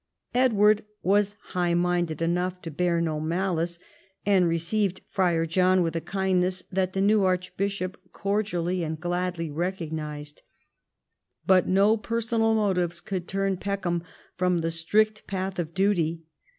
Edward was high minded enough to bear no malice, and received Friar John with a kindness that the new archbishop cordially and gladly recognised. But no personal motives could turn Peckham from the strict })ath of duty.